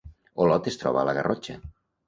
Olot es troba a la Garrotxa